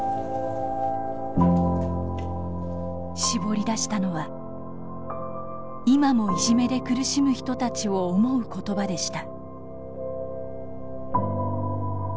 絞り出したのは今もいじめで苦しむ人たちを思う言葉でした。